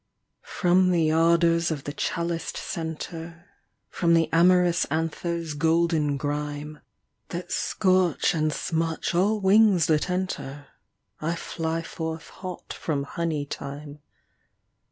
From the ardours of the chaliced centre, From the amorous anthers' golden grime, That scorch and smutch all wings that enter, I fly forth hot from honey time.